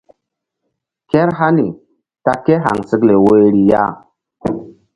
Kehr hani ta kéhaŋsekle woyri ya.